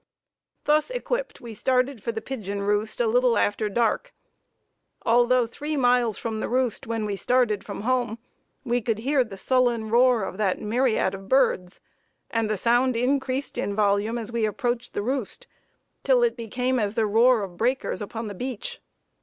Thus equipped, we started for the pigeon roost a little after dark. Although three miles from the roost when we started from home, we could hear the sullen roar of that myriad of birds, and the sound increased in volume as we approached the roost, till it became as the roar of the breakers upon the beach.